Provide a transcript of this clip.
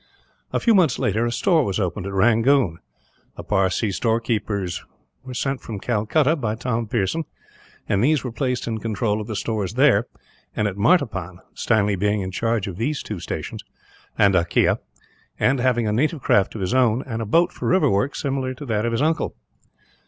A few months later, a store was opened at Rangoon. Parsee store keepers were sent from Calcutta, by Tom Pearson; and these were placed in control of the stores there, and at Martaban Stanley being in charge of these two stations, and Akyah; and having a native craft of his own, and a boat for river work similar to that of his uncle.